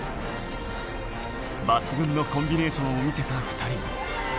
抜群のコンビネーションを見せた２人。